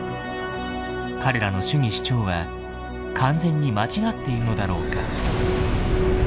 彼らの主義主張は完全に間違っているのだろうか。